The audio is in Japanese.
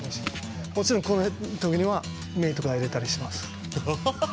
もちろんこういう時には目とか入れたりします。